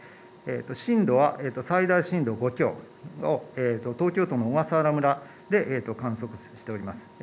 震度は最大震度５強、東京都小笠原村で観測しております。